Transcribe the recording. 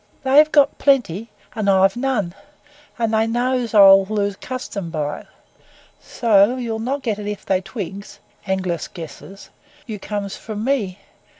They's got plenty, and I've none; and they knows I'll lose custom by it, so you'll not get it if they twigs (ANGLICE guesses) you comes from me.